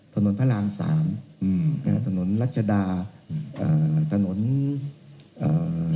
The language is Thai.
ถนนพระรามสามอืมฮือถนนรัชดาเอ่อถนนเอ่อ